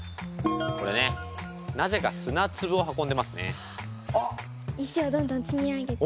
これねなぜか砂つぶを運んでますね。